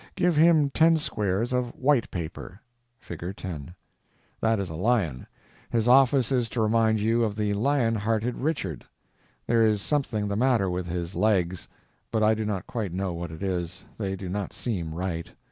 Give him ten squares of _white _paper. (Fig. 10). That is a lion. His office is to remind you of the lion hearted Richard. There is something the matter with his legs, but I do not quite know what it is, they do not seem right.